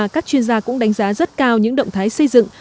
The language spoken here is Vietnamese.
các chuyên gia cũng đánh giá rất cao những động thái xây dựng